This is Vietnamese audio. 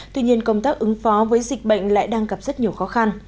tuy nhiên công tác ứng phó với dịch bệnh lại đang gặp rất nhiều khó khăn